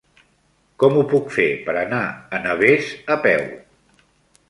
Com ho puc fer per anar a Navès a peu?